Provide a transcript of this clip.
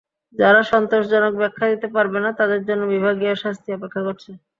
যারা সন্তোষজনক ব্যাখ্যা দিতে পারবে না, তাদের জন্য বিভাগীয় শাস্তি অপেক্ষা করছে।